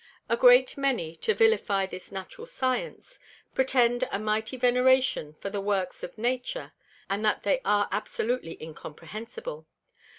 A great many to vilify this Natural Science, pretend a mighty veneration for the works of Nature, and that they are absolutely incomprehensible.